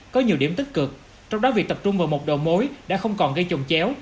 có nhiều điểm tích cực trong đó việc tập trung vào một đầu mối đã không còn gây chồng chéo